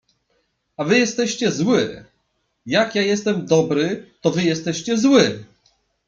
A wy jesteście zły! jak ja jestem dobry, to wy jestescie zły!